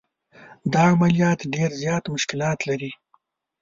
دا عملیات ډېر زیات مشکلات لري.